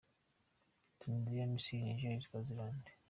Tunisia, Misiri, Niger, Swaziland